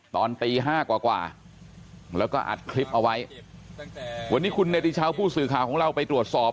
ตอนตีห้ากว่าแล้วก็อัดคลิปเอาไว้วันนี้คุณเนติชาวผู้สื่อข่าวของเราไปตรวจสอบ